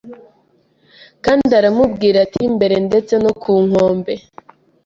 Kandi arambwira ati Mbere ndetse no ku nkombe